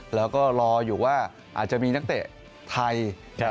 แล้วก็รออยู่ว่าอาจจะมีนักเตะไทย